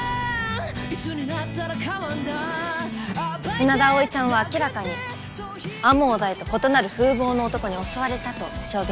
船田葵ちゃんは明らかに天羽大と異なる風貌の男に襲われたと証言しています。